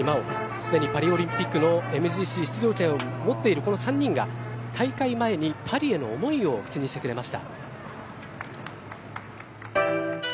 すでにパリオリンピックのＭＧＣ出場権を持っているこの３人が大会前にパリへの思いを口にしてくれました。